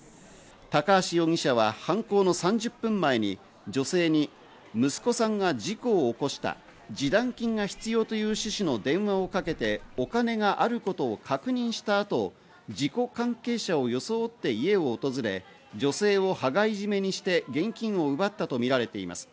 高橋容疑者は犯行の３０分前に、女性に息子さんが事故を起こした示談金が必要という趣旨の電話をかけて、お金があることを確認した後、実行関係者を装って家を訪れ、女性を羽交い絞めにして現金を奪ったとみられています。